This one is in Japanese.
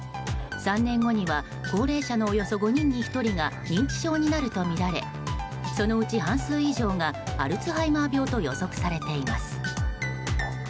３年後には高齢者のおよそ５人に１人が認知症になるとみられそのうち半数以上がアルツハイマー病と予測されています。